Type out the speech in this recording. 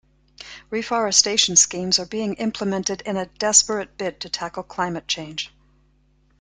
Reforestation schemes are being implemented in a desperate bid to tackle climate change.